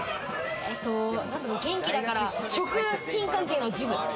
元気だから食品関係の事務。